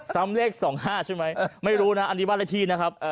เลข๒๕ใช่ไหมไม่รู้นะอันนี้บ้านเลขที่นะครับ